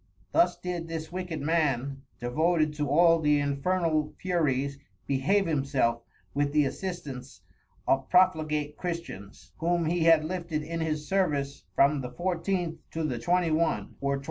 Thus did this Wicked Man, devoted to all the Infernal Furies, behave himself with the Assistance of Profligate Christians, whom he had lifted in his Service from the 14th to the 21. or 22.